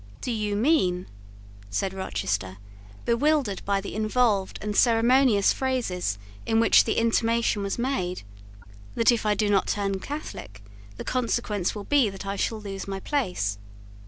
"Do you mean," said Rochester, bewildered by the involved and ceremonious phrases in which the intimation was made, "that, if I do not turn Catholic, the consequence will be that I shall lose my place?"